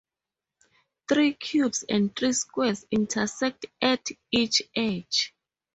Three cubes and three squares intersect at each edge.